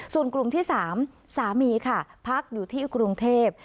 ส่วนกลุ่มที่๓สามีค่ะพักอยู่ที่กรุงเทพ